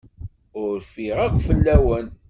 Ur rfiɣ akk fell-awen.